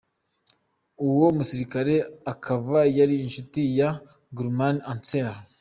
Uwo musirikare akaba yari inshuti ya Guillaume Ancel.